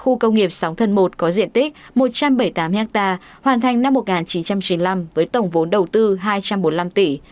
khu công nghiệp sóng thần một có diện tích một trăm bảy mươi tám ha hoàn thành năm một nghìn chín trăm chín mươi năm với tổng vốn đầu tư hai trăm bốn mươi năm tỷ